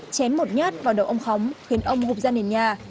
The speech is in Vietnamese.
chém một nhát vào đầu ông khóng khiến ông hụt ra nền nhà